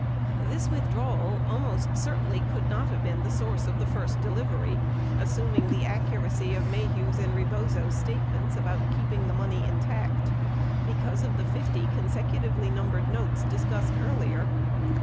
This withdrawal almost certainly could not have been the source of the first delivery (assuming the accuracy of Maheu's and Rebozo's statements about keeping the money intact) because of the 50 consecu tively numbered notes discussed earlier.